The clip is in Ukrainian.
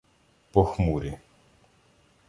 Похмурі.